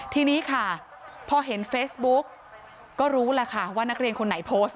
ทีนี้ค่ะพอเห็นเฟซบุ๊กก็รู้แหละค่ะว่านักเรียนคนไหนโพสต์